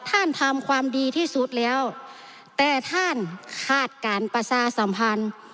ทำความดีที่สุดแล้วแต่ท่านคาดการณ์ประชาสัมพันธ์